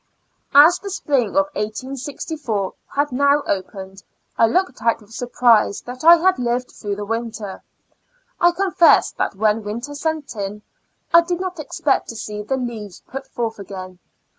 As the spring of 1864 had now opened, I looked out with surprise that I had lived throuo^h the winter. I confess that when winter set in, I did not expect to see the leaves put forth again.